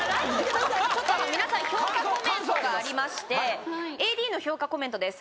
ちょっと皆さん評価コメントがありましてＡＤの評価コメントです